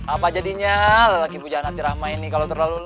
apa jadinya lelaki puja anak tiramah ini kalo terlalu lah